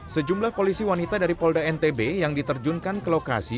sejumlah polisi wanita dari polda ntb yang diterjunkan ke lokasi